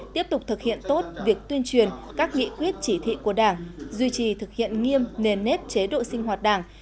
tiếp tục thực hiện tốt việc tuyên truyền các nghị quyết chỉ thị của đảng duy trì thực hiện nghiêm nền nếp chế độ sinh hoạt đảng